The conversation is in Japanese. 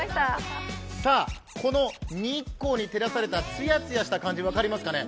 この日光に照られされたツヤツヤした感じ分かりますかね？